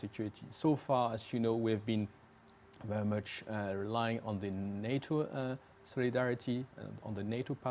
kita lanjutkan pembahasan mengenai dinamika di uni eropa